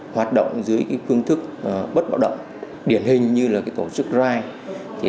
hoạt động dưới phương thức bất bạo động điển hình như là tổ chức rai